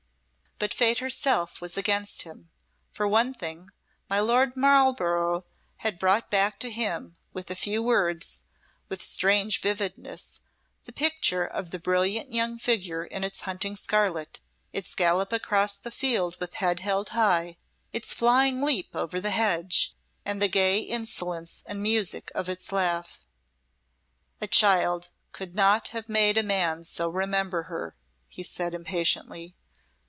But Fate herself was against him. For one thing, my Lord Marlborough had brought back to him, with a few words, with strange vividness the picture of the brilliant young figure in its hunting scarlet, its gallop across the field with head held high, its flying leap over the hedge, and the gay insolence and music of its laugh. "A child could not have made a man so remember her," he said, impatiently.